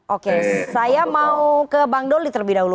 oke saya mau ke bang doli terlebih dahulu